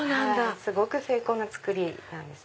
すごく精巧な作りなんです。